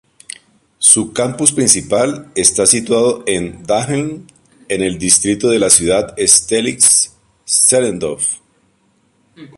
Su campus principal está situado en Dahlem en el distrito de la ciudad Steglitz-Zehlendorf.